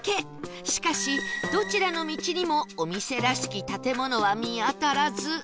しかしどちらの道にもお店らしき建物は見当たらず